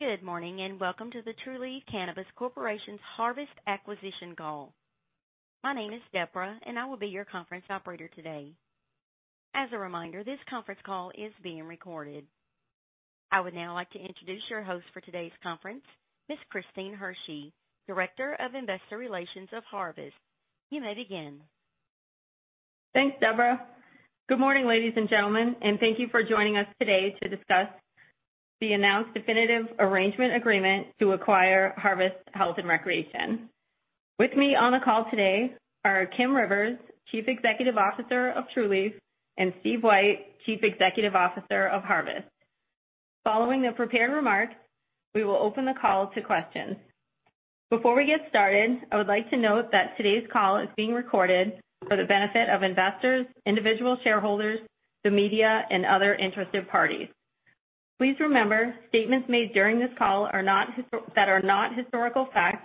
Good morning, and welcome to the Trulieve Cannabis Corporation's Harvest acquisition call. My name is Deborah, and I will be your conference operator today. As a reminder, this conference call is being recorded. I would now like to introduce your host for today's conference, Ms. Christine Hersey, Director of Investor Relations, Harvest Health & Recreation. You may begin. Thanks, Deborah. Good morning, ladies and gentlemen, and thank you for joining us today to discuss the announced definitive arrangement agreement to acquire Harvest Health & Recreation. With me on the call today are Kim Rivers, Chief Executive Officer of Trulieve, and Steve White, Chief Executive Officer of Harvest. Following the prepared remarks, we will open the call to questions. Before we get started, I would like to note that today's call is being recorded for the benefit of investors, individual shareholders, the media, and other interested parties. Please remember, statements made during this call that are not historical facts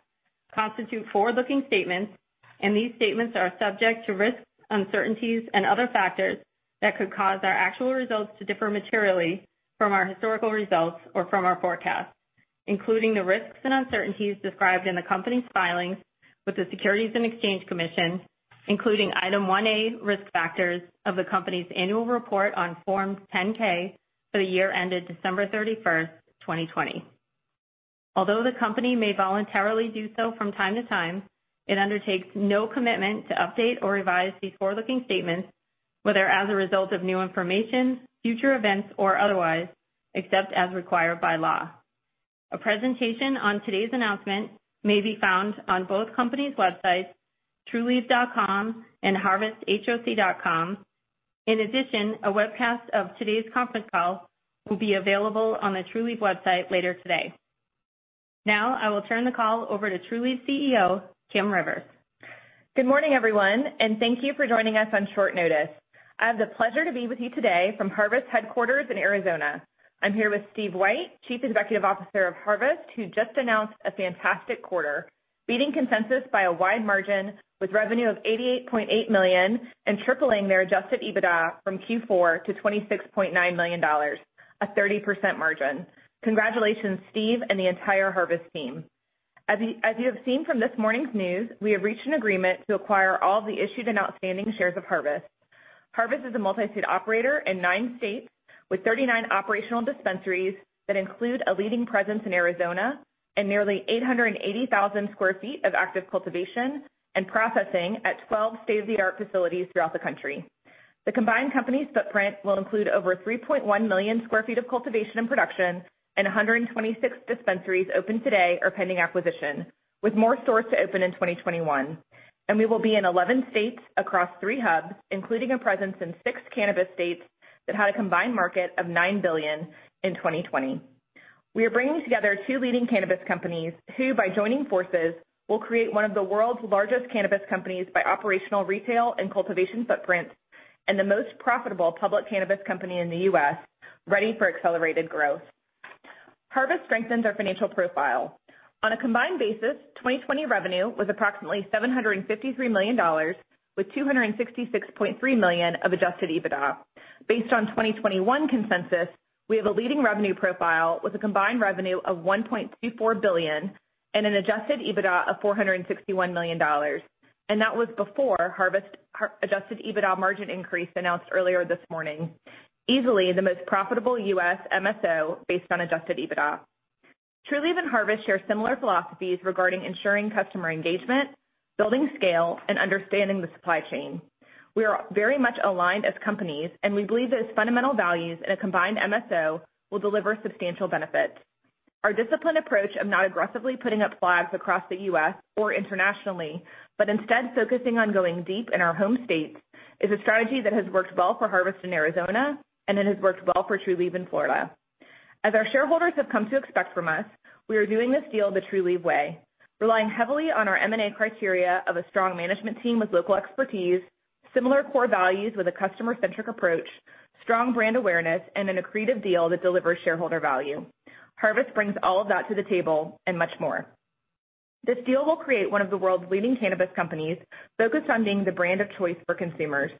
constitute forward-looking statements, and these statements are subject to risks, uncertainties, and other factors that could cause our actual results to differ materially from our historical results or from our forecasts, including the risks and uncertainties described in the company's filings with the Securities and Exchange Commission, including Item 1A Risk Factors of the company's annual report on Form 10-K for the year ended December 31st, 2020. Although the company may voluntarily do so from time to time, it undertakes no commitment to update or revise these forward-looking statements, whether as a result of new information, future events, or otherwise, except as required by law. A presentation on today's announcement may be found on both companies' websites, trulieve.com and harvesthoc.com. In addition, a webcast of today's conference call will be available on the Trulieve website later today. Now, I will turn the call over to Trulieve CEO, Kim Rivers. Good morning, everyone, and thank you for joining us on short notice. I have the pleasure to be with you today from Harvest headquarters in Arizona. I am here with Steve White, Chief Executive Officer of Harvest, who just announced a fantastic quarter, beating consensus by a wide margin with revenue of $88.8 million and tripling their Adjusted EBITDA from Q4 to $26.9 million, a 30% margin. Congratulations, Steve and the entire Harvest team. As you have seen from this morning's news, we have reached an agreement to acquire all the issued and outstanding shares of Harvest. Harvest is a multi-state operator in nine states with 39 operational dispensaries that include a leading presence in Arizona and nearly 880,000 sq ft of active cultivation and processing at 12 state-of-the-art facilities throughout the country. The combined company's footprint will include over 3.1 million sq ft of cultivation and production and 126 dispensaries open today or pending acquisition, with more stores to open in 2021. We will be in 11 states across three hubs, including a presence in six cannabis states that had a combined market of $9 billion in 2020. We are bringing together two leading cannabis companies who, by joining forces, will create one of the world's largest cannabis companies by operational retail and cultivation footprint and the most profitable public cannabis company in the U.S., ready for accelerated growth. Harvest strengthens our financial profile. On a combined basis, 2020 revenue was approximately $753 million with $266.3 million of Adjusted EBITDA. Based on 2021 consensus, we have a leading revenue profile with a combined revenue of $1.34 billion and an Adjusted EBITDA of $461 million, and that was before Harvest Adjusted EBITDA margin increase announced earlier this morning. Easily the most profitable U.S. MSO based on Adjusted EBITDA. Trulieve and Harvest share similar philosophies regarding ensuring customer engagement, building scale, and understanding the supply chain. We are very much aligned as companies, and we believe that its fundamental values in a combined MSO will deliver substantial benefits. Our disciplined approach of not aggressively putting up flags across the U.S. or internationally, but instead focusing on going deep in our home states, is a strategy that has worked well for Harvest in Arizona, and it has worked well for Trulieve in Florida. As our shareholders have come to expect from us, we are doing this deal the Trulieve way, relying heavily on our M&A criteria of a strong management team with local expertise, similar core values with a customer-centric approach, strong brand awareness, and an accretive deal that delivers shareholder value. Harvest brings all of that to the table and much more. This deal will create one of the world's leading cannabis companies focused on being the brand of choice for consumers.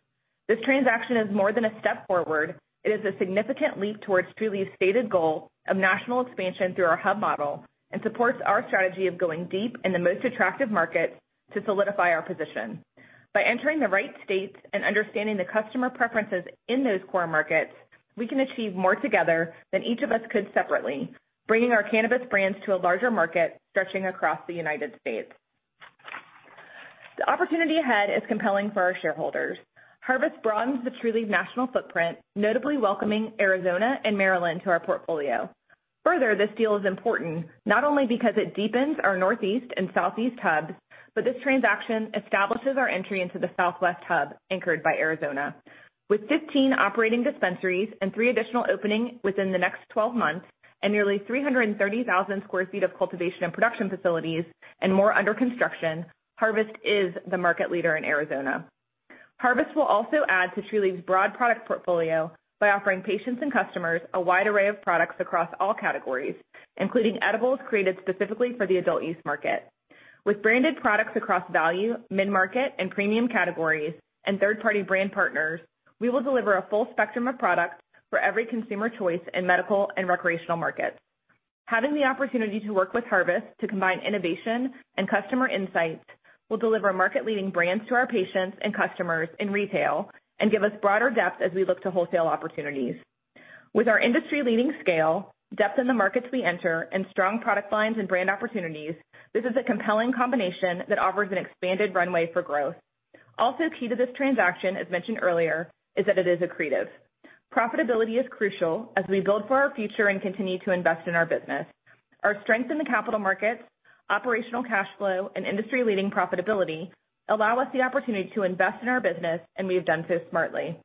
This transaction is more than a step forward. It is a significant leap towards Trulieve's stated goal of national expansion through our hub model and supports our strategy of going deep in the most attractive markets to solidify our position. By entering the right states and understanding the customer preferences in those core markets, we can achieve more together than each of us could separately, bringing our cannabis brands to a larger market stretching across the United States. The opportunity ahead is compelling for our shareholders. Harvest broadens the Trulieve national footprint, notably welcoming Arizona and Maryland to our portfolio. Further, this deal is important not only because it deepens our Northeast and Southeast hubs, but this transaction establishes our entry into the Southwest hub anchored by Arizona. With 15 operating dispensaries and three additional opening within the next 12 months and nearly 330,000 sq ft of cultivation and production facilities and more under construction, Harvest is the market leader in Arizona. Harvest will also add to Trulieve's broad product portfolio by offering patients and customers a wide array of products across all categories, including edibles created specifically for the adult-use market. With branded products across value, mid-market, and premium categories, and third-party brand partners, we will deliver a full spectrum of products for every consumer choice in medical and recreational markets. Having the opportunity to work with Harvest to combine innovation and customer insights will deliver market-leading brands to our patients and customers in retail and give us broader depth as we look to wholesale opportunities. With our industry-leading scale, depth in the markets we enter, and strong product lines and brand opportunities, this is a compelling combination that offers an expanded runway for growth. Also key to this transaction, as mentioned earlier, is that it is accretive. Profitability is crucial as we build for our future and continue to invest in our business. Our strength in the capital markets, operational cash flow, and industry-leading profitability allow us the opportunity to invest in our business, and we have done so smartly.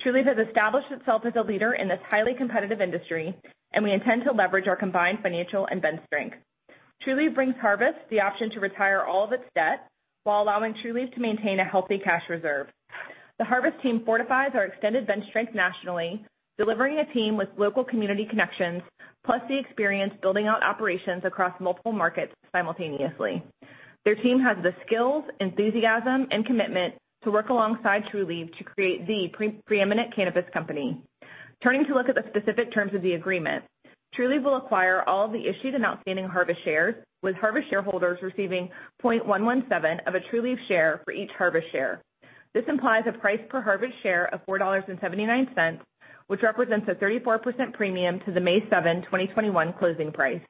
Trulieve has established itself as a leader in this highly competitive industry, and we intend to leverage our combined financial and bench strength. Trulieve brings Harvest the option to retire all of its debt while allowing Trulieve to maintain a healthy cash reserve. The Harvest team fortifies our extended bench strength nationally, delivering a team with local community connections, plus the experience building out operations across multiple markets simultaneously. Their team has the skills, enthusiasm, and commitment to work alongside Trulieve to create the preeminent cannabis company. Turning to look at the specific terms of the agreement, Trulieve will acquire all the issued and outstanding Harvest shares, with Harvest shareholders receiving 0.117 of a Trulieve share for each Harvest share. This implies a price per Harvest share of $4.79, which represents a 34% premium to the May 7, 2021, closing price.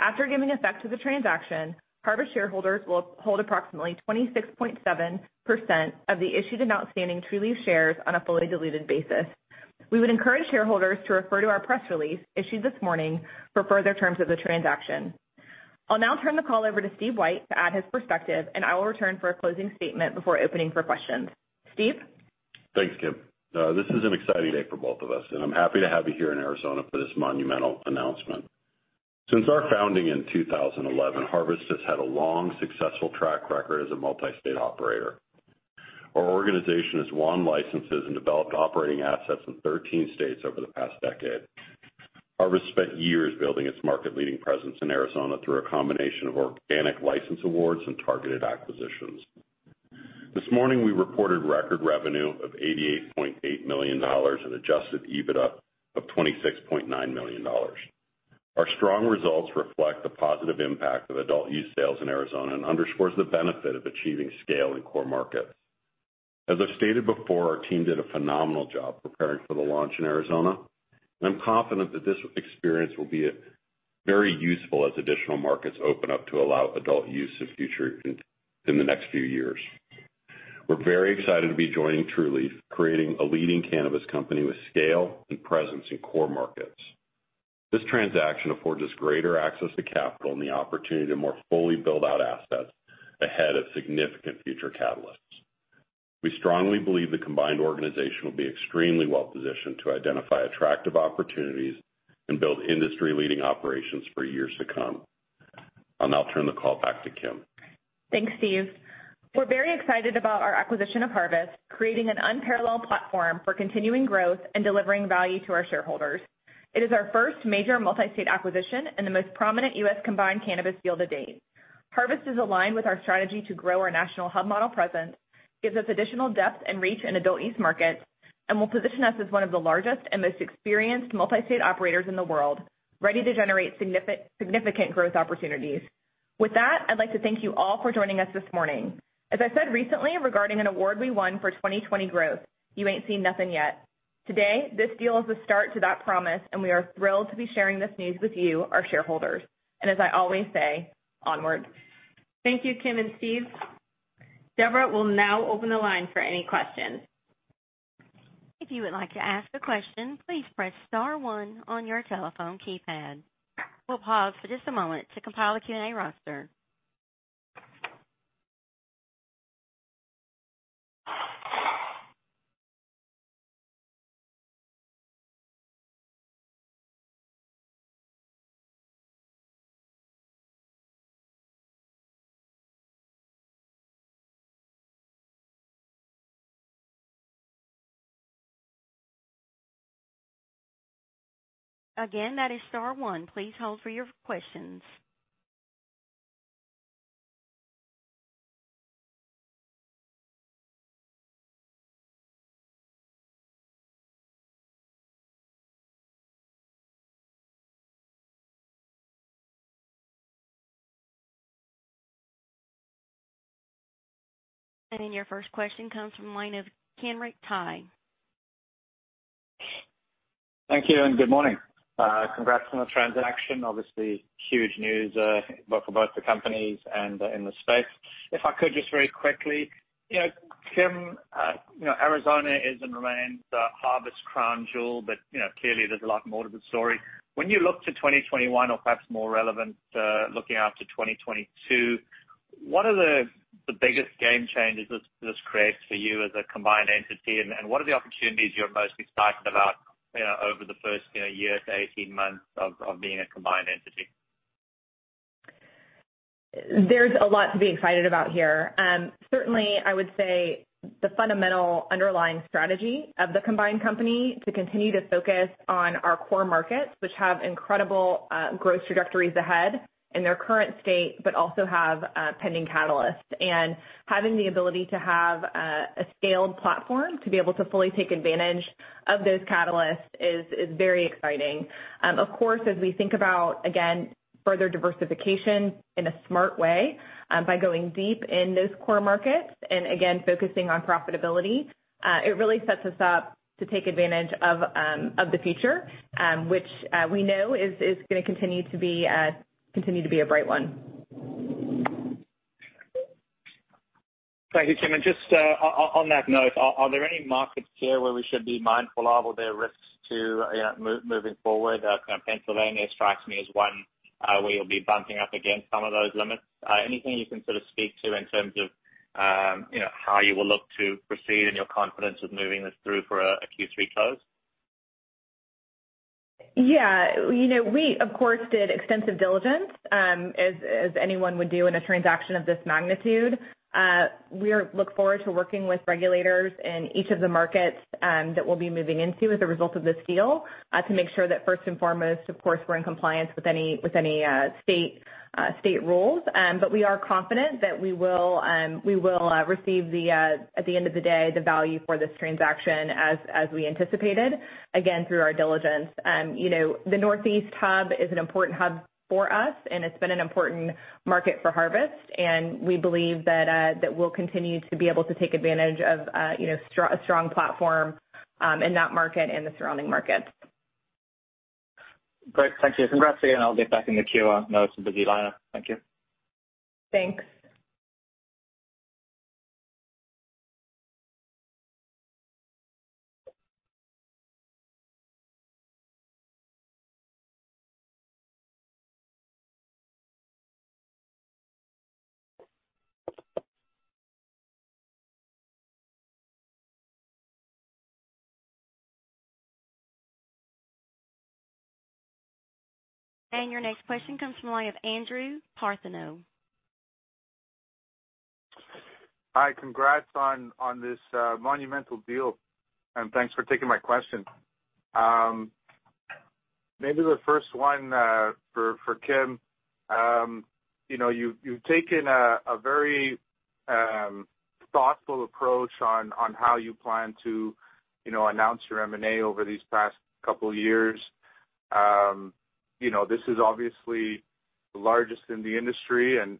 After giving effect to the transaction, Harvest shareholders will hold approximately 26.7% of the issued and outstanding Trulieve shares on a fully diluted basis. We would encourage shareholders to refer to our press release issued this morning for further terms of the transaction. I'll now turn the call over to Steve White to add his perspective, and I will return for a closing statement before opening for questions. Steve? Thanks, Kim. This is an exciting day for both of us, and I'm happy to have you here in Arizona for this monumental announcement. Since our founding in 2011, Harvest has had a long, successful track record as a multi-state operator. Our organization has won licenses and developed operating assets in 13 states over the past decade. Harvest spent years building its market-leading presence in Arizona through a combination of organic license awards and targeted acquisitions. This morning, we reported record revenue of $88.8 million in Adjusted EBITDA of $26.9 million. Our strong results reflect the positive impact of adult use sales in Arizona and underscores the benefit of achieving scale in core markets. As I stated before, our team did a phenomenal job preparing for the launch in Arizona, and I'm confident that this experience will be very useful as additional markets open up to allow adult use in the next few years. We're very excited to be joining Trulieve, creating a leading cannabis company with scale and presence in core markets. This transaction affords us greater access to capital and the opportunity to more fully build out assets ahead of significant future catalysts. We strongly believe the combined organization will be extremely well-positioned to identify attractive opportunities and build industry-leading operations for years to come. I'll now turn the call back to Kim. Thanks, Steve. We're very excited about our acquisition of Harvest, creating an unparalleled platform for continuing growth and delivering value to our shareholders. It is our first major multi-state acquisition and the most prominent U.S. combined cannabis deal to date. Harvest is aligned with our strategy to grow our national hub model presence, gives us additional depth and reach in adult use markets, and will position us as one of the largest and most experienced multi-state operators in the world, ready to generate significant growth opportunities. With that, I'd like to thank you all for joining us this morning. As I said recently regarding an award we won for 2020 growth, "You ain't seen nothing yet." Today, this deal is the start to that promise, and we are thrilled to be sharing this news with you, our shareholders, and as I always say, onwards. Thank you, Kim and Steve. Deborah will now open the line for any questions. If you would like to ask a question, please press star one on your telephone keypad. We'll pause for just a moment to compile a Q&A roster. Again, that is star one. Please hold for your questions. Your first question comes from the line of Kenric Ty. Thank you, and good morning. Congrats on the transaction. Obviously, huge news, both for both the companies and in the space. If I could just very quickly, Kim, Arizona is and remains Harvest's crown jewel, but clearly, there's a lot more to the story. When you look to 2021 or perhaps more relevant, looking out to 2022, what are the biggest game changes this creates for you as a combined entity, and what are the opportunities you're most excited about over the first year to 18 months of being a combined entity? There's a lot to be excited about here. Certainly, I would say the fundamental underlying strategy of the combined company to continue to focus on our core markets, which have incredible growth trajectories ahead in their current state, but also have pending catalysts. Having the ability to have a scaled platform to be able to fully take advantage of those catalysts is very exciting. Of course, as we think about, again, further diversification in a smart way, by going deep in those core markets and again, focusing on profitability, it really sets us up to take advantage of the future, which we know is going to continue to be a bright one. Thank you, Kim, just on that note, are there any markets here where we should be mindful of, or are there risks to moving forward? Pennsylvania strikes me as one where you'll be bumping up against some of those limits. Anything you can sort of speak to in terms of how you will look to proceed and your confidence with moving this through for a Q3 close? Yeah. We, of course, did extensive diligence, as anyone would do in a transaction of this magnitude. We look forward to working with regulators in each of the markets that we'll be moving into as a result of this deal, to make sure that first and foremost, of course, we're in compliance with any state rules. We are confident that we will receive, at the end of the day, the value for this transaction as we anticipated, again, through our diligence. The Northeast hub is an important hub for us, and it's been an important market for Harvest, and we believe that we'll continue to be able to take advantage of a strong platform in that market and the surrounding markets. Great. Thank you. Congrats again, I'll get back in the queue. I know it's a busy lineup. Thank you. Thanks. Your next question comes from the line of Andrew Partheniou. Hi. Congrats on this monumental deal. Thanks for taking my question. Maybe the first one for Kim. You've taken a very thoughtful approach on how you plan to announce your M&A over these past couple of years. This is obviously the largest in the industry and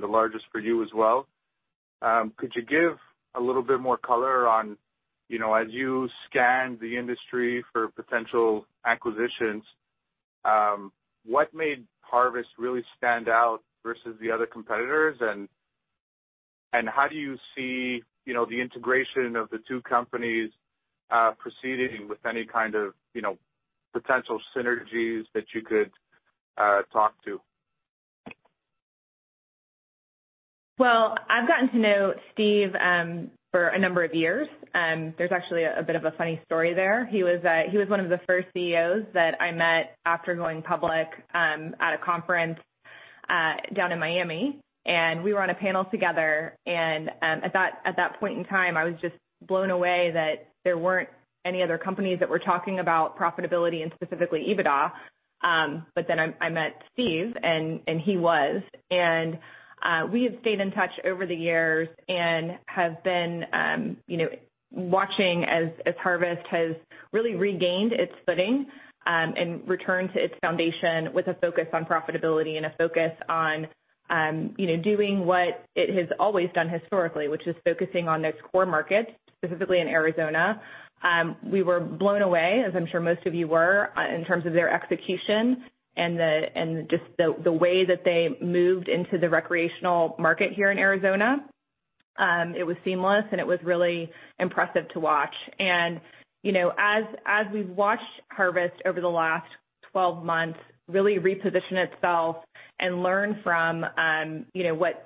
the largest for you as well. Could you give a little bit more color on, as you scan the industry for potential acquisitions, what made Harvest really stand out versus the other competitors? How do you see the integration of the two companies proceeding with any kind of potential synergies that you could talk to? Well, I've gotten to know Steve for a number of years. There's actually a bit of a funny story there. He was one of the first CEOs that I met after going public, at a conference down in Miami, and we were on a panel together, and at that point in time, I was just blown away that there weren't any other companies that were talking about profitability and specifically EBITDA. Then I met Steve, and he was. We have stayed in touch over the years and have been watching as Harvest has really regained its footing, and returned to its foundation with a focus on profitability and a focus on doing what it has always done historically, which is focusing on those core markets, specifically in Arizona. We were blown away, as I'm sure most of you were, in terms of their execution and just the way that they moved into the recreational market here in Arizona. It was seamless, and it was really impressive to watch. As we've watched Harvest over the last 12 months, really reposition itself and learn from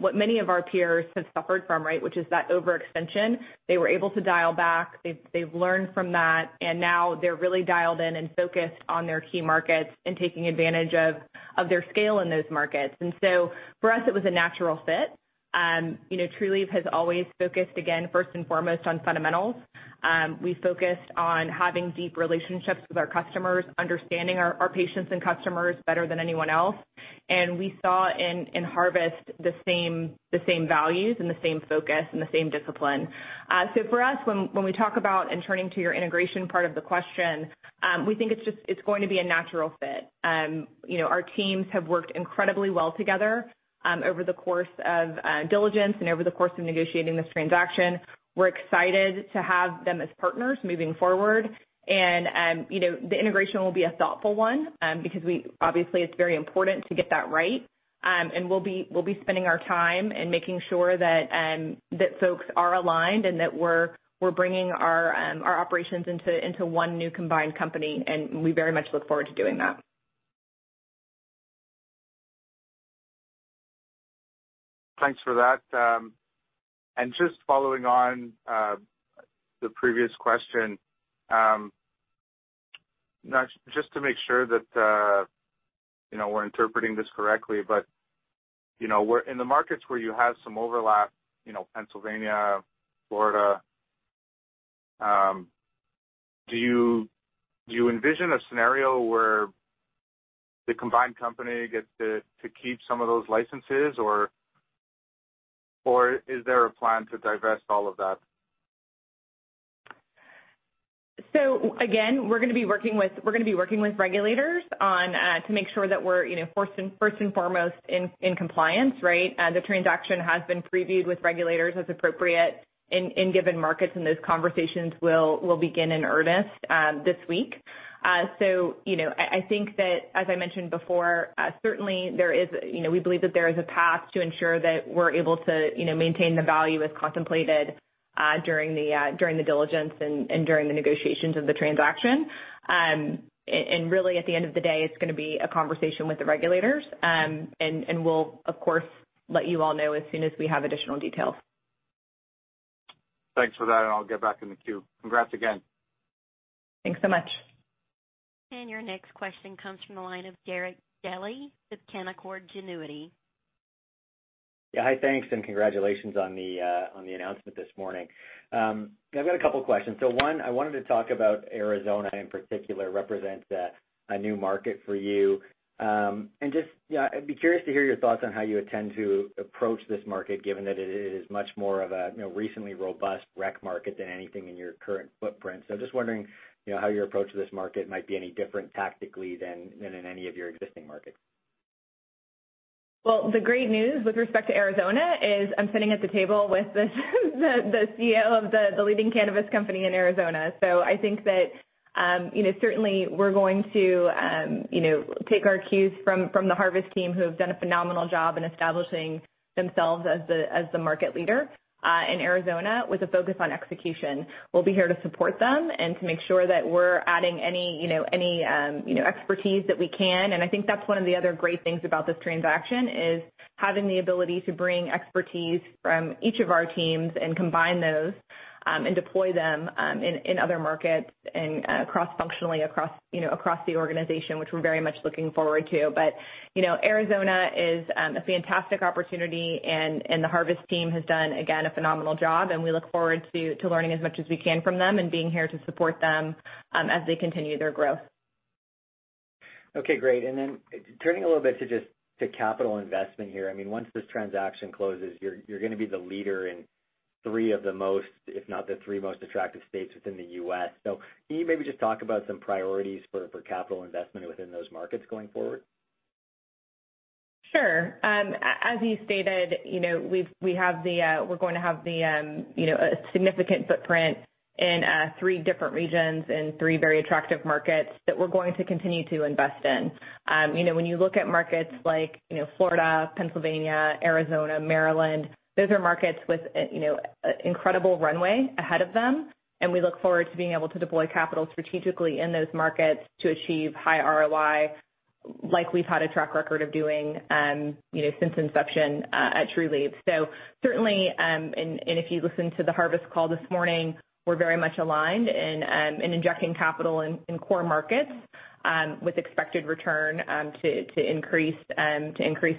what many of our peers have suffered from, which is that overextension, they were able to dial back. They've learned from that. Now they're really dialed in and focused on their key markets and taking advantage of their scale in those markets. For us, it was a natural fit. Trulieve has always focused, again, first and foremost on fundamentals. We focused on having deep relationships with our customers, understanding our patients and customers better than anyone else. We saw in Harvest the same values and the same focus and the same discipline. For us, when we talk about, and turning to your integration part of the question, we think it's going to be a natural fit. Our teams have worked incredibly well together, over the course of diligence and over the course of negotiating this transaction. We're excited to have them as partners moving forward. The integration will be a thoughtful one, because obviously it's very important to get that right. We'll be spending our time and making sure that folks are aligned and that we're bringing our operations into one new combined company, and we very much look forward to doing that. Thanks for that. Just following on the previous question. Just to make sure that we're interpreting this correctly, in the markets where you have some overlap, Pennsylvania, Florida, do you envision a scenario where the combined company gets to keep some of those licenses, or is there a plan to divest all of that? Again, we're going to be working with regulators to make sure that we're first and foremost in compliance, right? The transaction has been previewed with regulators as appropriate in given markets, and those conversations will begin in earnest this week. I think that, as I mentioned before, certainly we believe that there is a path to ensure that we're able to maintain the value as contemplated during the diligence and during the negotiations of the transaction. Really, at the end of the day, it's going to be a conversation with the regulators. We'll, of course, let you all know as soon as we have additional details. Thanks for that. I'll get back in the queue. Congrats again. Thanks so much. Your next question comes from the line of Derek Dley with Canaccord Genuity. Hi, thanks, and congratulations on the announcement this morning. I've got a couple questions. One, I wanted to talk about Arizona in particular represents a new market for you. Just, I'd be curious to hear your thoughts on how you intend to approach this market, given that it is much more of a recently robust rec market than anything in your current footprint. Just wondering how your approach to this market might be any different tactically than in any of your existing markets. Well, the great news with respect to Arizona is I'm sitting at the table with the CEO of the leading cannabis company in Arizona. I think that certainly we're going to take our cues from the Harvest team who have done a phenomenal job in establishing themselves as the market leader, in Arizona with a focus on execution. We'll be here to support them and to make sure that we're adding any expertise that we can. I think that's one of the other great things about this transaction is having the ability to bring expertise from each of our teams and combine those, and deploy them in other markets and cross-functionally across the organization, which we're very much looking forward to. Arizona is a fantastic opportunity, and the Harvest team has done, again, a phenomenal job, and we look forward to learning as much as we can from them and being here to support them as they continue their growth. Okay, great. Turning a little bit to capital investment here. Once this transaction closes, you're going to be the leader in three of the most, if not the three most attractive states within the U.S. Can you maybe just talk about some priorities for capital investment within those markets going forward? Sure. As you stated, we're going to have a significant footprint in three different regions and three very attractive markets that we're going to continue to invest in. When you look at markets like Florida, Pennsylvania, Arizona, Maryland, those are markets with incredible runway ahead of them, and we look forward to being able to deploy capital strategically in those markets to achieve high ROI like we've had a track record of doing since inception at Trulieve. Certainly, and if you listened to the Harvest call this morning, we're very much aligned in injecting capital in core markets, with expected return to increase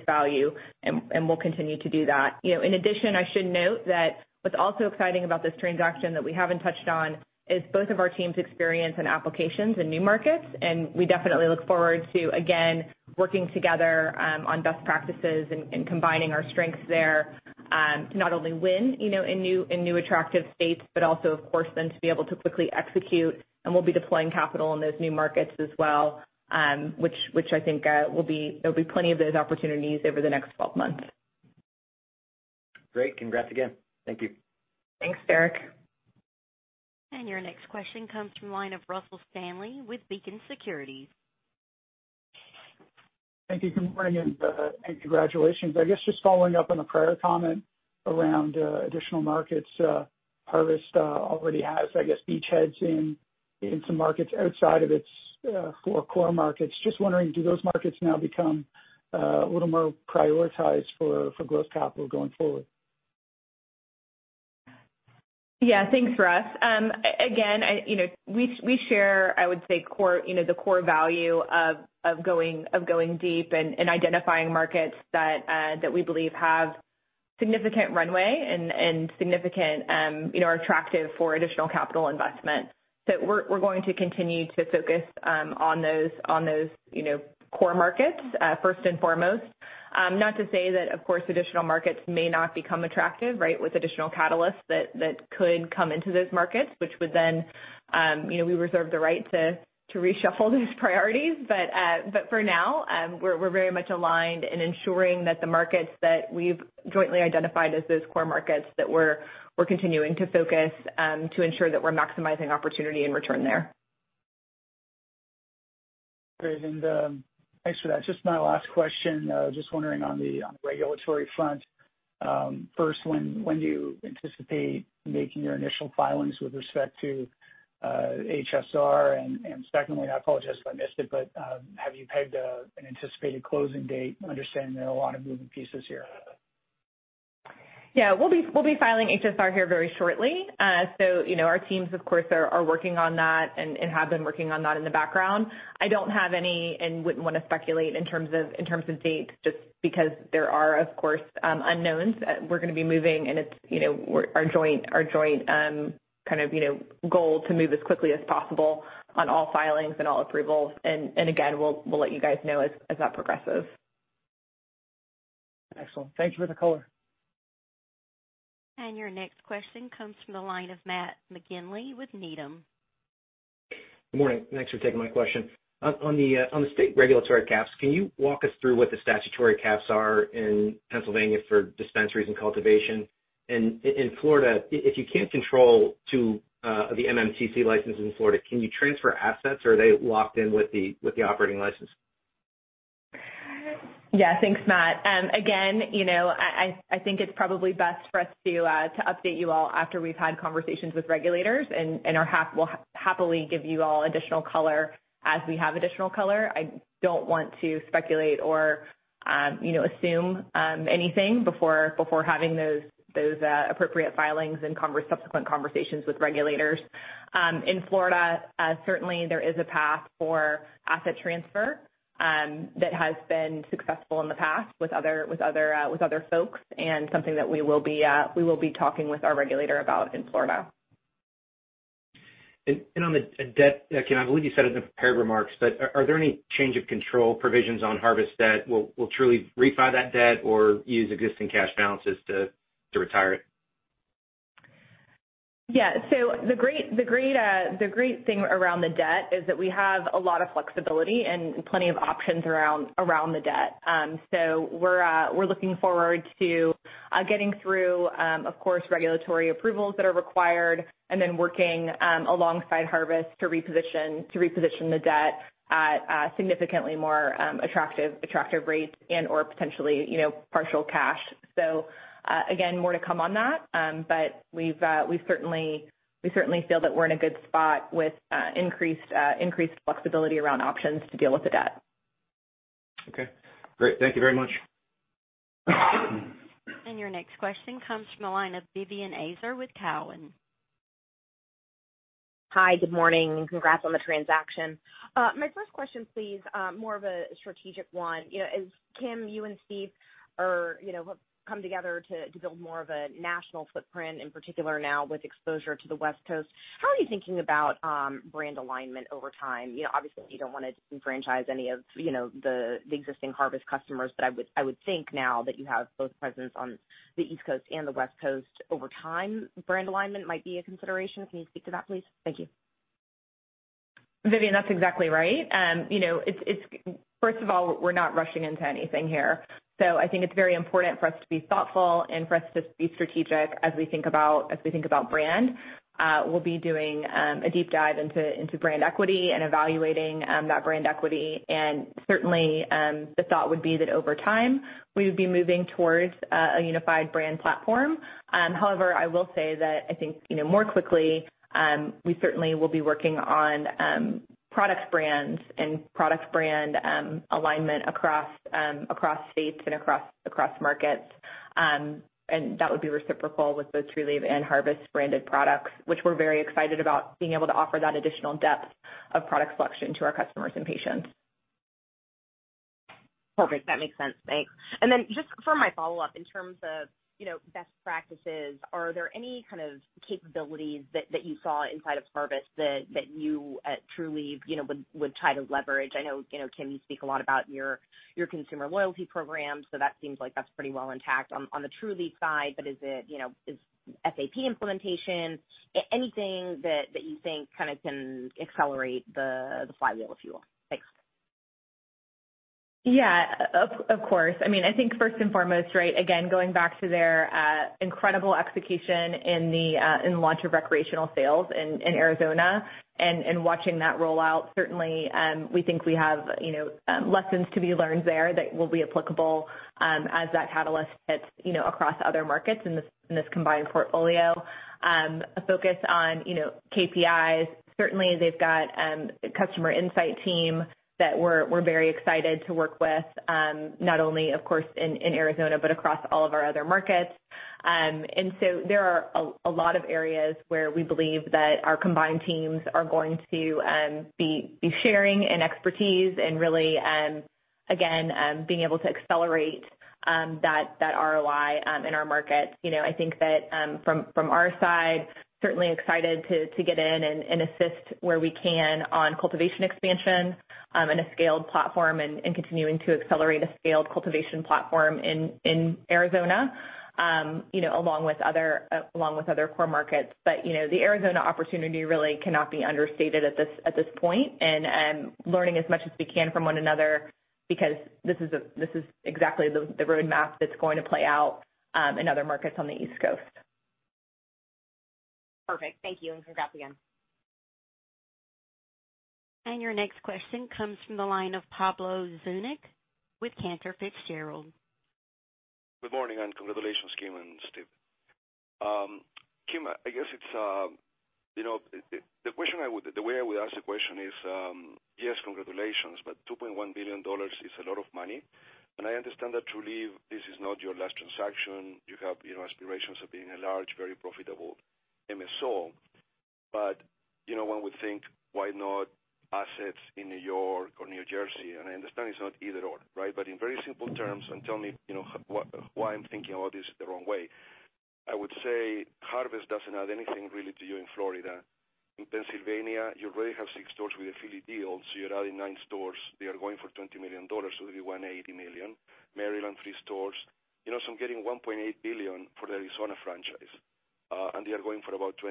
value, and we'll continue to do that. In addition, I should note that what's also exciting about this transaction that we haven't touched on is both of our teams' experience in applications in new markets. We definitely look forward to, again, working together, on best practices and combining our strengths there, to not only win in new attractive states, but also, of course, then to be able to quickly execute. We'll be deploying capital in those new markets as well, which I think there'll be plenty of those opportunities over the next 12 months. Great. Congrats again. Thank you. Thanks, Derek. Your next question comes from the line of Russell Stanley with Beacon Securities. Thank you. Good morning. Congratulations. I guess just following up on the prior comment around additional markets. Harvest already has, I guess, beachheads in some markets outside of its four core markets. Just wondering, do those markets now become a little more prioritized for growth capital going forward? Yeah. Thanks, Russ. Again, we share, I would say, the core value of going deep and identifying markets that we believe have significant runway and are attractive for additional capital investment. We're going to continue to focus on those core markets first and foremost. Not to say that, of course, additional markets may not become attractive, right, with additional catalysts that could come into those markets, which would then, we reserve the right to reshuffle those priorities. For now, we're very much aligned in ensuring that the markets that we've jointly identified as those core markets that we're continuing to focus to ensure that we're maximizing opportunity and return there. Great. Thanks for that. Just my last question. Just wondering on the regulatory front, first, when do you anticipate making your initial filings with respect to HSR? Secondly, I apologize if I missed it, but have you pegged an anticipated closing date? Understanding there are a lot of moving pieces here. Yeah. We'll be filing HSR here very shortly. Our teams, of course, are working on that and have been working on that in the background. I don't have any and wouldn't want to speculate in terms of dates, just because there are, of course, unknowns. We're going to be moving, and it's our joint kind of goal to move as quickly as possible on all filings and all approvals. Again, we'll let you guys know as that progresses. Excellent. Thank you for the color. Your next question comes from the line of Matt McGinley with Needham. Good morning. Thanks for taking my question. On the state regulatory caps, can you walk us through what the statutory caps are in Pennsylvania for dispensaries and cultivation? In Florida, if you can't control two of the MMTC licenses in Florida, can you transfer assets, or are they locked in with the operating license? Yeah. Thanks, Matt. Again, I think it's probably best for us to update you all after we've had conversations with regulators, and we'll happily give you all additional color as we have additional color. I don't want to speculate or assume anything before having those appropriate filings and subsequent conversations with regulators. In Florida, certainly there is a path for asset transfer that has been successful in the past with other folks and something that we will be talking with our regulator about in Florida. On the debt, Kim, I believe you said it in the prepared remarks, but are there any change of control provisions on Harvest debt? Will Trulieve refi that debt or use existing cash balances to retire it? Yeah. The great thing around the debt is that we have a lot of flexibility and plenty of options around the debt. We're looking forward to getting through, of course, regulatory approvals that are required and then working alongside Harvest to reposition the debt at significantly more attractive rates and/or potentially partial cash. Again, more to come on that. We certainly feel that we're in a good spot with increased flexibility around options to deal with the debt. Okay, great. Thank you very much. Your next question comes from the line of Vivien Azer with Cowen. Hi. Good morning, and congrats on the transaction. My first question please, more of a strategic one. Kim, you and Steve have come together to build more of a national footprint, in particular now with exposure to the West Coast. How are you thinking about brand alignment over time? Obviously, you don't want to disenfranchise any of the existing Harvest customers, but I would think now that you have both presence on the East Coast and the West Coast, over time, brand alignment might be a consideration. Can you speak to that, please? Thank you. Vivien, that's exactly right. First of all, we're not rushing into anything here. I think it's very important for us to be thoughtful and for us to be strategic as we think about brand. We'll be doing a deep dive into brand equity and evaluating that brand equity, and certainly, the thought would be that over time, we would be moving towards a unified brand platform. However, I will say that I think more quickly, we certainly will be working on product brands and product brand alignment across states and across markets. That would be reciprocal with both Trulieve and Harvest-branded products, which we're very excited about being able to offer that additional depth of product selection to our customers and patients. Perfect. That makes sense. Thanks. Just for my follow-up, in terms of best practices, are there any kind of capabilities that you saw inside of Harvest that you at Trulieve would try to leverage? I know, Kim, you speak a lot about your consumer loyalty program, so that seems like that's pretty well intact on the Trulieve side. Is it SAP implementation? Anything that you think kind of can accelerate the flywheel, if you will? Thanks. Yeah. Of course. I think first and foremost, right, again, going back to their incredible execution in the launch of recreational sales in Arizona and watching that roll out, certainly we think we have lessons to be learned there that will be applicable as that catalyst hits across other markets in this combined portfolio. A focus on KPIs. Certainly, they've got a customer insight team that we're very excited to work with, not only, of course, in Arizona, but across all of our other markets. There are a lot of areas where we believe that our combined teams are going to be sharing in expertise and really, again, being able to accelerate that ROI in our markets. I think that from our side, certainly excited to get in and assist where we can on cultivation expansion and a scaled platform and continuing to accelerate a scaled cultivation platform in Arizona along with other core markets. The Arizona opportunity really cannot be understated at this point, and learning as much as we can from one another, because this is exactly the roadmap that's going to play out in other markets on the East Coast. Perfect. Thank you, and congrats again. Your next question comes from the line of Pablo Zuanic with Cantor Fitzgerald. Good morning, and congratulations, Kim and Steve. Kim, the way I would ask the question is, yes, congratulations, but $2.1 billion is a lot of money, I understand that Trulieve, this is not your last transaction. You have aspirations of being a large, very profitable MSO. One would think, why not assets in New York or New Jersey? I understand it's not either/or, right? In very simple terms, and tell me why I'm thinking about this the wrong way. I would say Harvest doesn't add anything really to you in Florida. In Pennsylvania, you already have six stores with a Philly deal, so you're adding nine stores. They are going for $20 million, so it'll be $180 million. Maryland, three stores. I'm getting $1.8 billion for the Arizona franchise, and they are going for about $20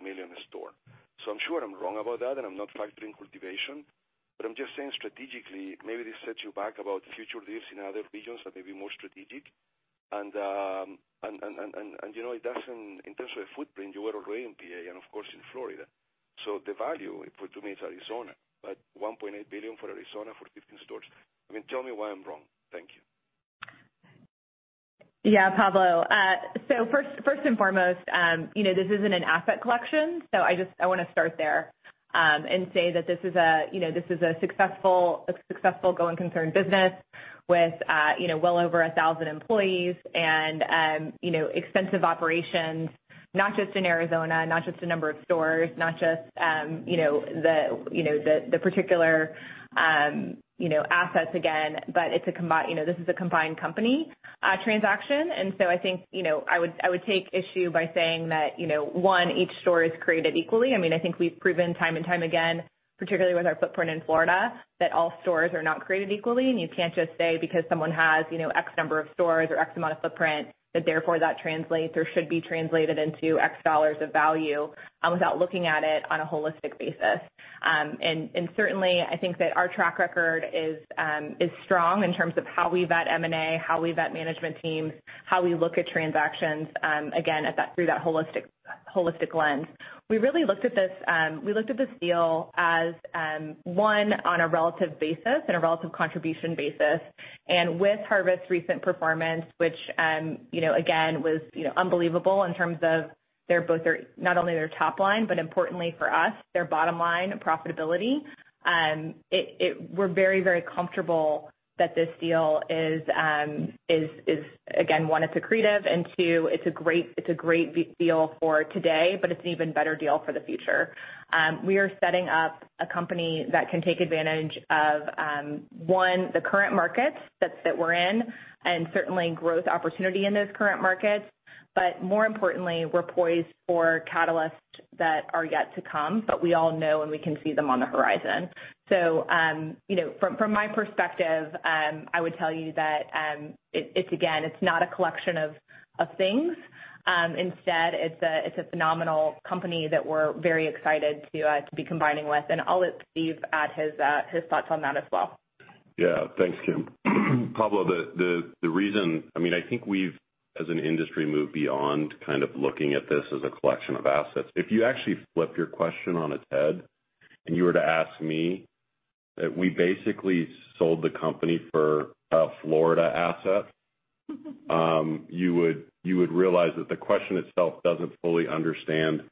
million a store. I'm sure I'm wrong about that, and I'm not factoring cultivation, but I'm just saying strategically, maybe this sets you back about future deals in other regions that may be more strategic. In terms of a footprint, you were already in PA and, of course, in Florida. The value for me, it's Arizona, but $1.8 billion for Arizona for 15 stores. I mean, tell me why I'm wrong. Thank you. Yeah, Pablo. First and foremost, this isn't an asset collection. I want to start there, and say that this is a successful going concern business with well over 1,000 employees and extensive operations, not just in Arizona, not just a number of stores, not just the particular assets again, but this is a combined company transaction. I think, I would take issue by saying that, one, each store is created equally. I think we've proven time and time again, particularly with our footprint in Florida, that all stores are not created equally, and you can't just say because someone has X number of stores or X amount of footprint, that therefore that translates or should be translated into X dollars of value without looking at it on a holistic basis. Certainly, I think that our track record is strong in terms of how we vet M&A, how we vet management teams, how we look at transactions, again, through that holistic lens. We looked at this deal as one, on a relative basis and a relative contribution basis. With Harvest's recent performance, which again, was unbelievable in terms of not only their top line, but importantly for us, their bottom line profitability. We're very, very comfortable that this deal is, again, one, it's accretive, and two, it's a great deal for today, but it's an even better deal for the future. We are setting up a company that can take advantage of, one, the current markets that we're in, and certainly growth opportunity in those current markets. More importantly, we're poised for catalysts that are yet to come, but we all know and we can see them on the horizon. From my perspective, I would tell you that, again, it's not a collection of things. Instead, it's a phenomenal company that we're very excited to be combining with. I'll let Steve add his thoughts on that as well. Thanks, Kim. Pablo, the reason, I think we've, as an industry, moved beyond looking at this as a collection of assets. If you actually flipped your question on its head and you were to ask me that we basically sold the company for a Florida asset, you would realize that the question itself doesn't fully understand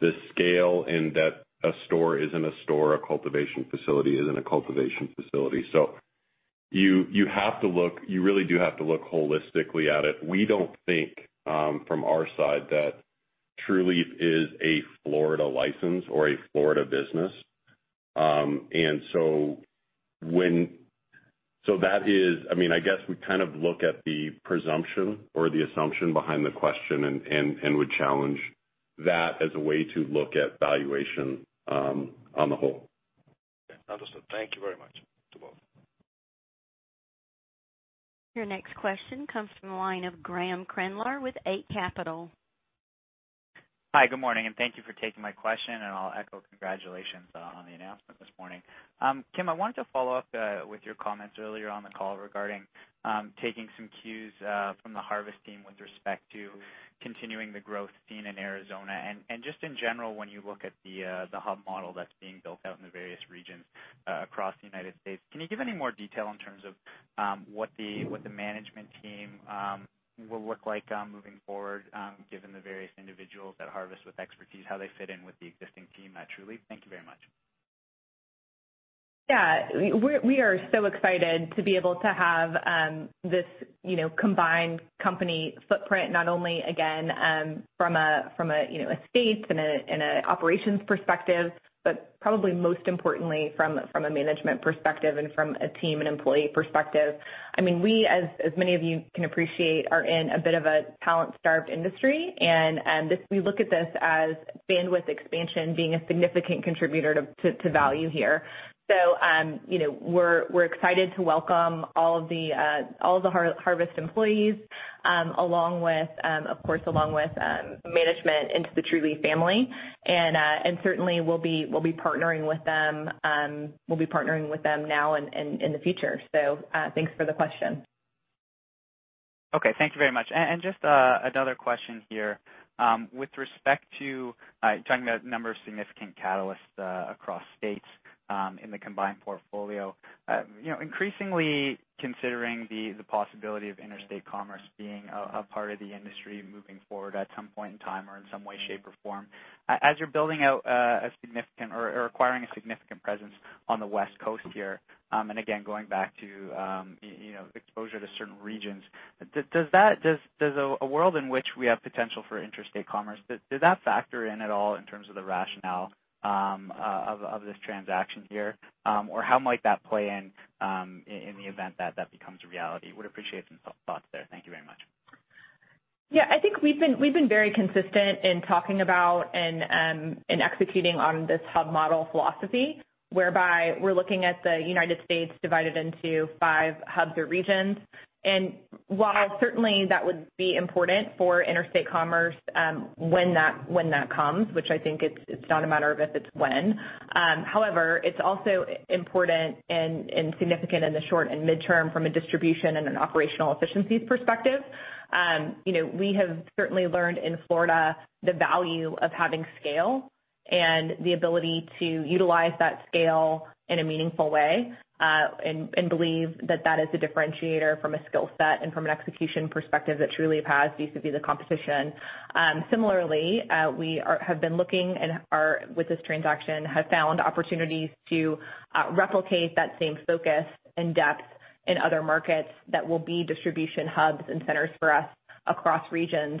the scale in that a store isn't a store, a cultivation facility isn't a cultivation facility. You really do have to look holistically at it. We don't think, from our side, that Trulieve is a Florida license or a Florida business. I guess, we look at the presumption or the assumption behind the question and would challenge that as a way to look at valuation on the whole. Understood. Thank you very much to both. Your next question comes from the line of Graeme Kreindler with Eight Capital. Hi, good morning, and thank you for taking my question, and I'll echo congratulations on the announcement this morning. Kim, I wanted to follow up with your comments earlier on the call regarding taking some cues from the Harvest team with respect to continuing the growth seen in Arizona. Just in general, when you look at the hub model that's being built out in the various regions across the U.S., can you give any more detail in terms of what the management team will look like moving forward, given the various individuals at Harvest with expertise, how they fit in with the existing team at Trulieve? Thank you very much. We are so excited to be able to have this combined company footprint, not only again, from a state and an operations perspective, but probably most importantly from a management perspective and from a team and employee perspective. We, as many of you can appreciate, are in a bit of a talent-starved industry, and we look at this as bandwidth expansion being a significant contributor to value here. We're excited to welcome all of the Harvest employees, of course, along with management into the Trulieve family. Certainly we'll be partnering with them now and in the future. Thanks for the question. Okay. Thank you very much. Just another question here. With respect to talking about a number of significant catalysts across states in the combined portfolio. Increasingly considering the possibility of interstate commerce being a part of the industry moving forward at some point in time, or in some way, shape, or form. As you're building out a significant or acquiring a significant presence on the West Coast here, and again, going back to exposure to certain regions. Does a world in which we have potential for interstate commerce, did that factor in at all in terms of the rationale of this transaction here? How might that play in the event that becomes a reality? Would appreciate some thoughts there. Thank you very much. Yeah, I think we've been very consistent in talking about and executing on this hub model philosophy, whereby we're looking at the United States divided into five hubs or regions. While certainly that would be important for interstate commerce, when that comes, which I think it's not a matter of if, it's when. However, it's also important and significant in the short and midterm from a distribution and an operational efficiencies perspective. We have certainly learned in Florida the value of having scale and the ability to utilize that scale in a meaningful way, and believe that is a differentiator from a skill set and from an execution perspective that Trulieve has vis-a-vis the competition. Similarly, we have been looking and with this transaction, have found opportunities to replicate that same focus and depth in other markets that will be distribution hubs and centers for us across regions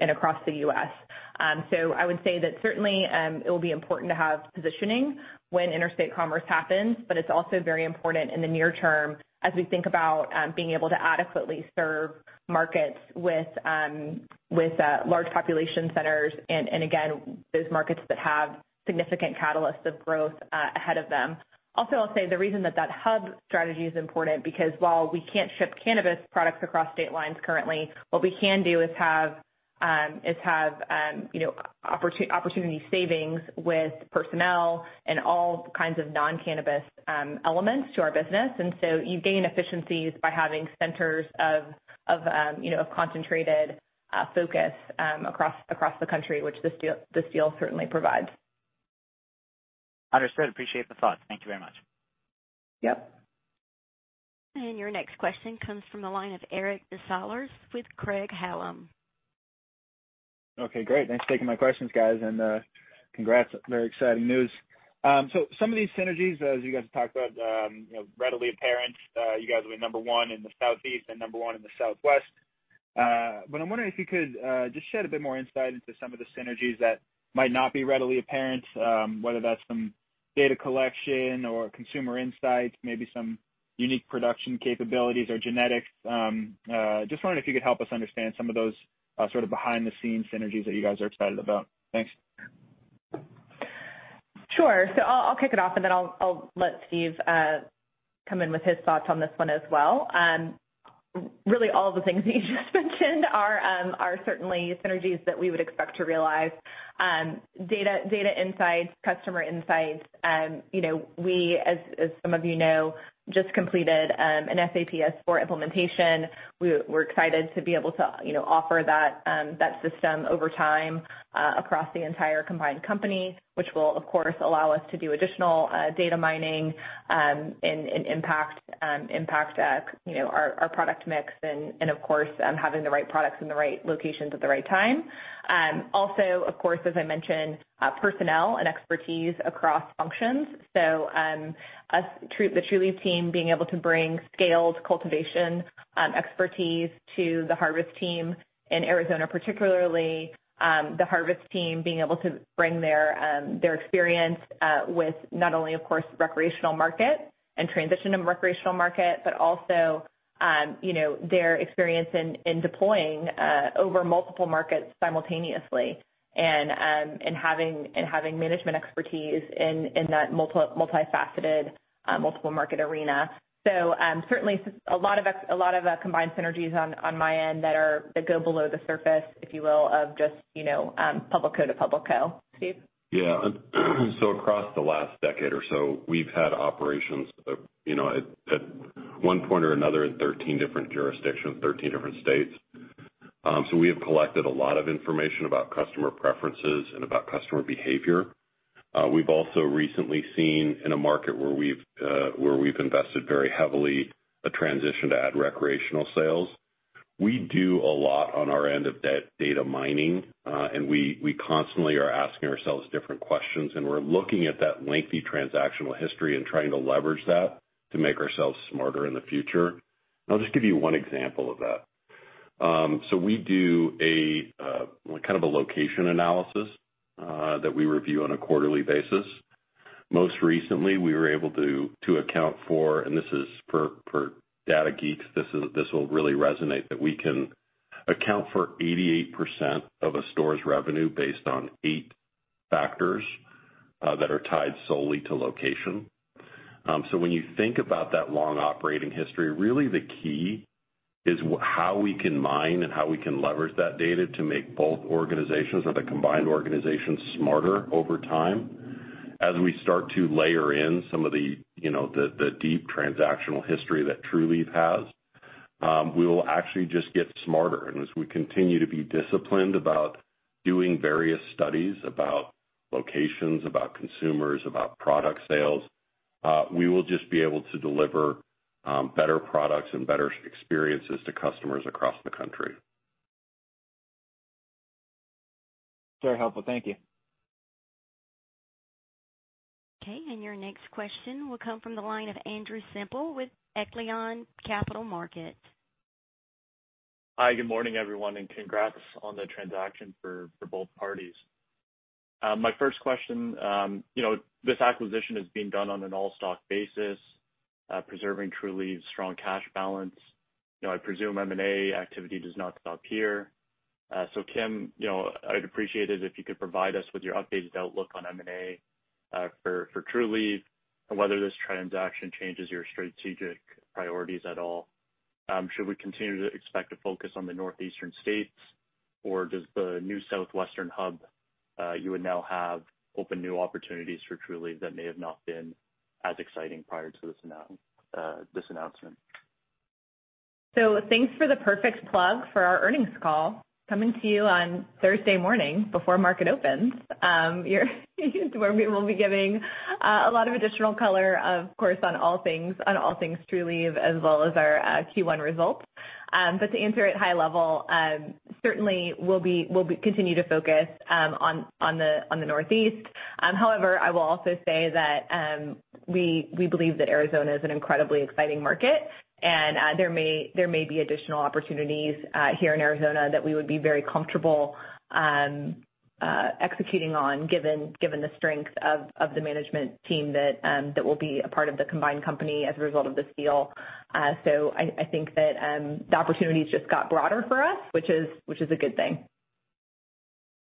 and across the U.S. I would say that certainly, it will be important to have positioning when interstate commerce happens, but it's also very important in the near term as we think about being able to adequately serve markets with large population centers and again, those markets that have significant catalysts of growth ahead of them. I'll say the reason that hub strategy is important because while we can't ship cannabis products across state lines currently, what we can do is have opportunity savings with personnel and all kinds of non-cannabis elements to our business. You gain efficiencies by having centers of concentrated focus across the country, which this deal certainly provides. Understood. Appreciate the thoughts. Thank you very much. Yep. Your next question comes from the line of Eric Des Lauriers with Craig-Hallum. Okay, great. Thanks for taking my questions, guys, and congrats. Very exciting news. Some of these synergies as you guys have talked about, readily apparent. You guys will be number one in the Southeast and number one in the Southwest. I'm wondering if you could just shed a bit more insight into some of the synergies that might not be readily apparent, whether that's some data collection or consumer insights, maybe some unique production capabilities or genetics. Just wondering if you could help us understand some of those sort of behind-the-scenes synergies that you guys are excited about. Thanks. Sure. I'll kick it off, and then I'll let Steve come in with his thoughts on this one as well. Really all the things that you just mentioned are certainly synergies that we would expect to realize. Data insights, customer insights. We, as some of you know, just completed an SAP S/4 implementation. We're excited to be able to offer that system over time across the entire combined company, which will, of course, allow us to do additional data mining, and impact our product mix and of course, having the right products in the right locations at the right time. Of course, as I mentioned, personnel and expertise across functions. The Trulieve team being able to bring scaled cultivation expertise to the Harvest team in Arizona particularly. The Harvest team being able to bring their experience with not only, of course, recreational market and transition to recreational market, but also their experience in deploying over multiple markets simultaneously. Having management expertise in that multifaceted, multiple market arena. Certainly a lot of combined synergies on my end that go below the surface, if you will, of just public co. to public co. Steve? Across the last decade or so, we've had operations at one point or another in 13 different jurisdictions, 13 different states. We have collected a lot of information about customer preferences and about customer behavior. We've also recently seen in a market where we've invested very heavily a transition to add recreational sales. We do a lot on our end of data mining. We constantly are asking ourselves different questions, and we're looking at that lengthy transactional history and trying to leverage that to make ourselves smarter in the future. I'll just give you one example of that. We do a kind of a location analysis that we review on a quarterly basis. Most recently, we were able to account for, this is for data geeks, this will really resonate, that we can account for 88% of a store's revenue based on eight factors that are tied solely to location. When you think about that long operating history, really the key is how we can mine and how we can leverage that data to make both organizations, or the combined organizations smarter over time. As we start to layer in some of the deep transactional history that Trulieve has, we will actually just get smarter. As we continue to be disciplined about doing various studies about locations, about consumers, about product sales, we will just be able to deliver better products and better experiences to customers across the country. Very helpful. Thank you. Okay. Your next question will come from the line of Andrew Semple with Echelon Capital Markets. Hi, good morning, everyone. Congrats on the transaction for both parties. My first question. This acquisition is being done on an all-stock basis, preserving Trulieve's strong cash balance. I presume M&A activity does not stop here. Kim, I'd appreciate it if you could provide us with your updated outlook on M&A for Trulieve and whether this transaction changes your strategic priorities at all. Should we continue to expect a focus on the northeastern states, or does the new southwestern hub, you would now have open new opportunities for Trulieve that may have not been as exciting prior to this announcement? Thanks for the perfect plug for our earnings call, coming to you on Thursday morning before market opens. Where we will be giving a lot of additional color, of course, on all things Trulieve, as well as our Q1 results. To answer at high level, certainly we'll continue to focus on the Northeast. However, I will also say that we believe that Arizona is an incredibly exciting market, and there may be additional opportunities here in Arizona that we would be very comfortable executing on, given the strength of the management team that will be a part of the combined company as a result of this deal. I think that the opportunities just got broader for us, which is a good thing.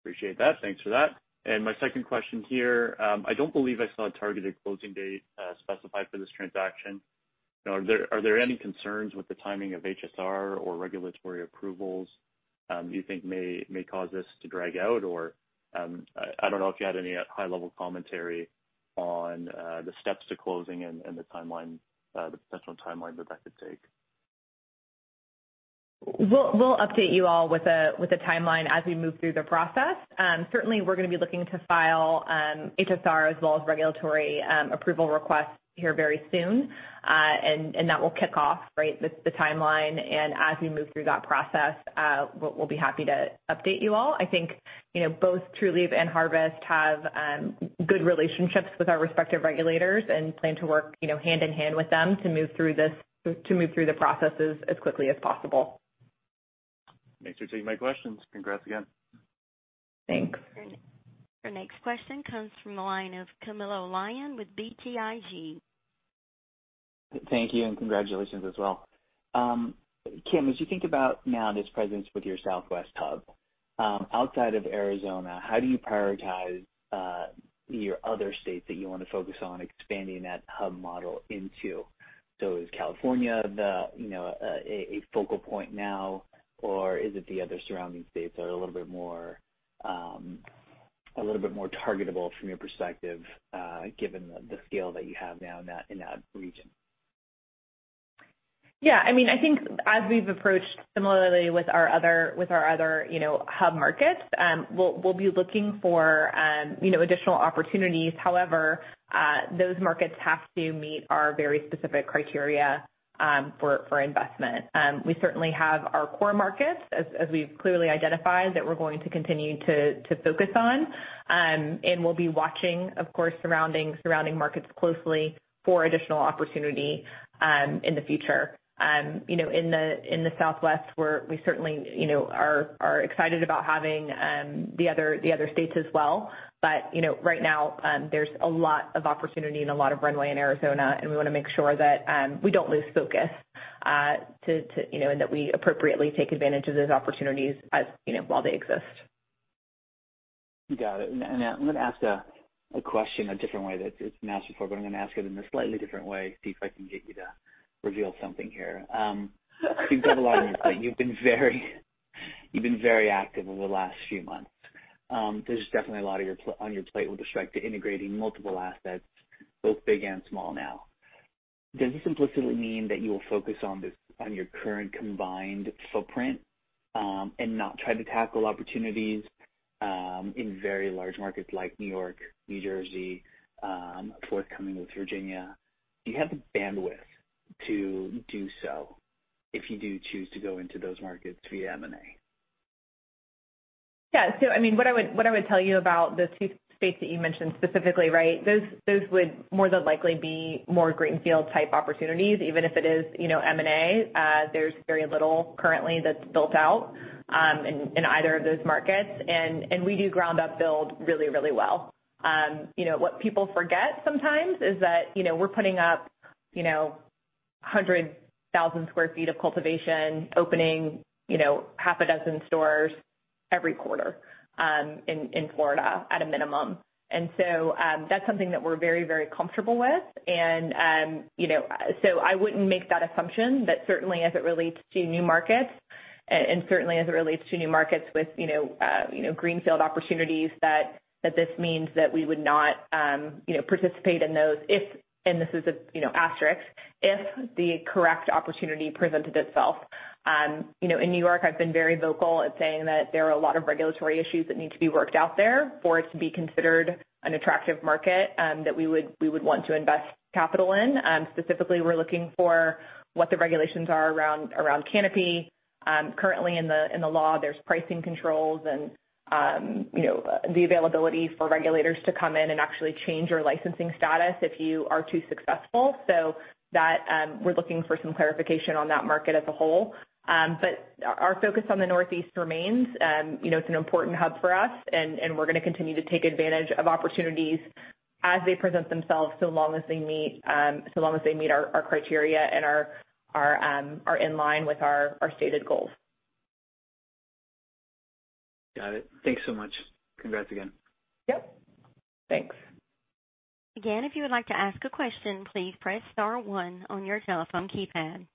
Appreciate that. Thanks for that. My second question here. I don't believe I saw a targeted closing date specified for this transaction. Are there any concerns with the timing of HSR or regulatory approvals you think may cause this to drag out? I don't know if you had any high-level commentary on the steps to closing and the potential timeline that could take. We'll update you all with a timeline as we move through the process. Certainly, we're going to be looking to file HSR as well as regulatory approval requests here very soon. That will kick off the timeline, and as we move through that process, we'll be happy to update you all. I think both Trulieve and Harvest have good relationships with our respective regulators and plan to work hand in hand with them to move through the processes as quickly as possible. Thanks for taking my questions. Congrats again. Thanks. Your next question comes from the line of Camilo Lyon with BTIG. Thank you, and congratulations as well. Kim, as you think about now this presence with your southwest hub. Outside of Arizona, how do you prioritize your other states that you want to focus on expanding that hub model into? Is California a focal point now, or is it the other surrounding states that are a little bit more targetable from your perspective, given the scale that you have now in that region? Yeah. I think as we've approached similarly with our other hub markets, we'll be looking for additional opportunities. However, those markets have to meet our very specific criteria for investment. We certainly have our core markets, as we've clearly identified, that we're going to continue to focus on. We'll be watching, of course, surrounding markets closely for additional opportunity in the future. In the Southwest, we certainly are excited about having the other states as well. Right now, there's a lot of opportunity and a lot of runway in Arizona, and we want to make sure that we don't lose focus, and that we appropriately take advantage of those opportunities while they exist. Got it. I'm going to ask a question a different way. It's been asked before, but I'm going to ask it in a slightly different way, see if I can get you to reveal something here. You've got a lot on your plate. You've been very active over the last few months. There's definitely a lot on your plate with respect to integrating multiple assets, both big and small now. Does this implicitly mean that you will focus on your current combined footprint, and not try to tackle opportunities in very large markets like New York, New Jersey, forthcoming with Virginia? Do you have the bandwidth to do so if you do choose to go into those markets via M&A? What I would tell you about the two states that you mentioned specifically, right? Those would more than likely be more greenfield type opportunities, even if it is M&A. There's very little currently that's built out in either of those markets, and we do ground-up build really, really well. What people forget sometimes is that we're putting up 100,000 sq ft of cultivation, opening half a dozen stores every quarter in Florida at a minimum. That's something that we're very, very comfortable with. I wouldn't make that assumption, certainly as it relates to new markets with greenfield opportunities that this means that we would not participate in those if, and this is an asterisk, if the correct opportunity presented itself. In New York, I've been very vocal at saying that there are a lot of regulatory issues that need to be worked out there for it to be considered an attractive market that we would want to invest capital in. Specifically, we're looking for what the regulations are around canopy. Currently in the law, there's pricing controls and the availability for regulators to come in and actually change your licensing status if you are too successful. That, we're looking for some clarification on that market as a whole. Our focus on the Northeast remains. It's an important hub for us, and we're going to continue to take advantage of opportunities as they present themselves so long as they meet our criteria and are in line with our stated goals. Got it. Thanks so much. Congrats again. Yep. Thanks. Again, if you would like to ask a question, please press star one on your telephone keypad.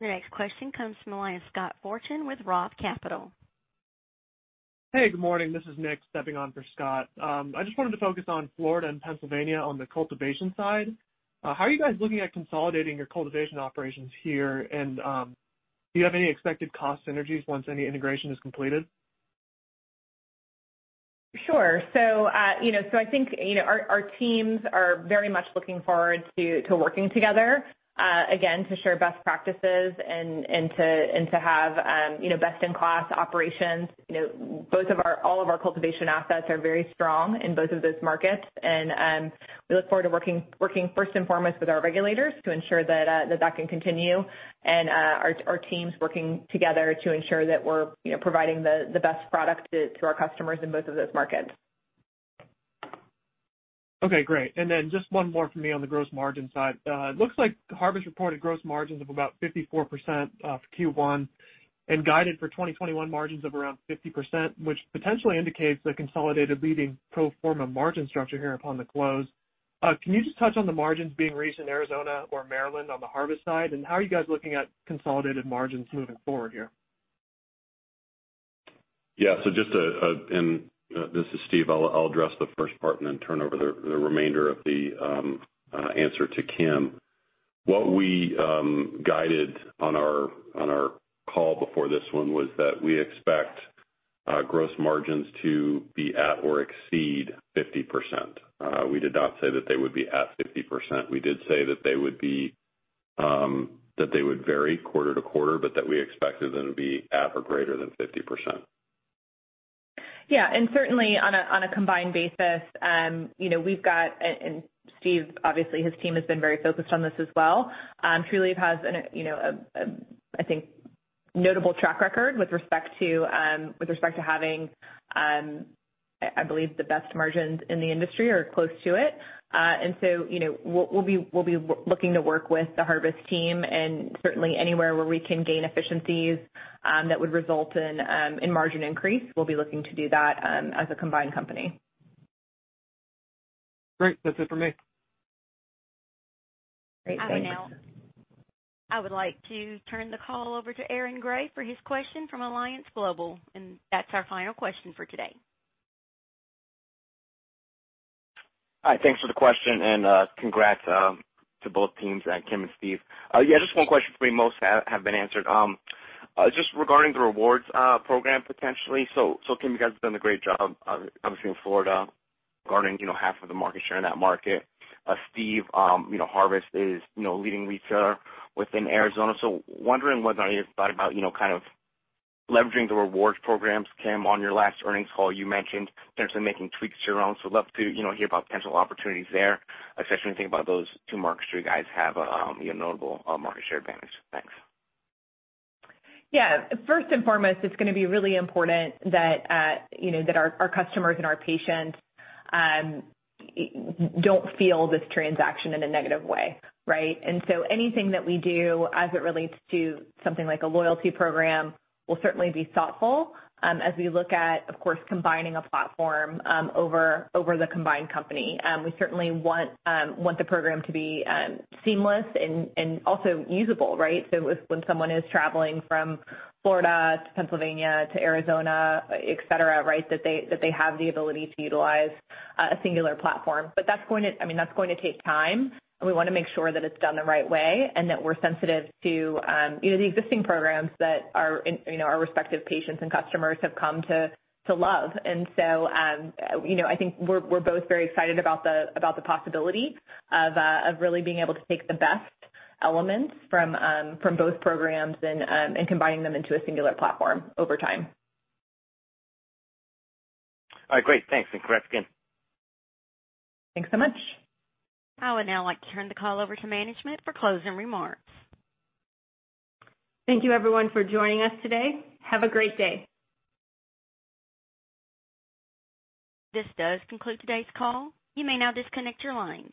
The next question comes from Scott Fortune with Roth Capital. Hey, good morning. This is Nick stepping on for Scott. I just wanted to focus on Florida and Pennsylvania on the cultivation side. How are you guys looking at consolidating your cultivation operations here? Do you have any expected cost synergies once any integration is completed? Sure. I think our teams are very much looking forward to working together, again, to share best practices and to have best-in-class operations. All of our cultivation assets are very strong in both of those markets. We look forward to working first and foremost with our regulators to ensure that that can continue and our teams working together to ensure that we're providing the best product to our customers in both of those markets. Okay, great. Then just one more from me on the gross margin side. It looks like Harvest reported gross margins of about 54% for Q1 and guided for 2021 margins of around 50%, which potentially indicates a consolidated leading pro forma margin structure here upon the close. Can you just touch on the margins being reached in Arizona or Maryland on the Harvest side? How are you guys looking at consolidated margins moving forward here? Yeah. Just, this is Steve, I'll address the first part and then turn over the remainder of the answer to Kim. What we guided on our call before this one was that we expect gross margins to be at or exceed 50%. We did not say that they would be at 50%. We did say that they would vary quarter to quarter, but that we expected them to be at or greater than 50%. Yeah. Certainly on a combined basis, we've got, and Steve, obviously, his team has been very focused on this as well. Trulieve has, I think, a notable track record with respect to having, I believe the best margins in the industry or close to it. We'll be looking to work with the Harvest team and certainly anywhere where we can gain efficiencies that would result in margin increase. We'll be looking to do that as a combined company. Great. That's it for me. I would now like to turn the call over to Aaron Grey for his question from Alliance Global, and that's our final question for today. Hi. Thanks for the question, and congrats to both teams, Kim and Steve. Yeah, just one question for me, most have been answered. Just regarding the rewards program, potentially. Kim, you guys have done a great job, obviously in Florida, guarding half of the market share in that market. Steve, Harvest is a leading retailer within Arizona. I am wondering whether or not you thought about leveraging the rewards programs. Kim, on your last earnings call, you mentioned potentially making tweaks to your own. I would love to hear about potential opportunities there, especially when you think about those two markets you guys have notable market share advantage. Thanks. Yeah. First and foremost, it's going to be really important that our customers and our patients don't feel this transaction in a negative way, right? Anything that we do as it relates to something like a loyalty program will certainly be thoughtful as we look at, of course, combining a platform over the combined company. We certainly want the program to be seamless and also usable, right? When someone is traveling from Florida to Pennsylvania to Arizona, et cetera, that they have the ability to utilize a singular platform. That's going to take time, and we want to make sure that it's done the right way and that we're sensitive to the existing programs that our respective patients and customers have come to love. I think we're both very excited about the possibility of really being able to take the best elements from both programs and combining them into a singular platform over time. All right, great. Thanks, and congrats again. Thanks so much. I would now like to turn the call over to management for closing remarks. Thank you, everyone, for joining us today. Have a great day. This does conclude today's call. You may now disconnect your lines.